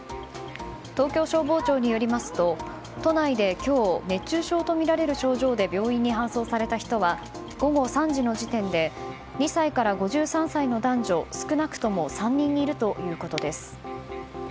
東京消防庁によりますと都内で今日熱中症とみられる症状で病院に搬送された人は午後３時の時点で２歳から５３歳の男女プシュ！